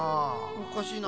おかしいな。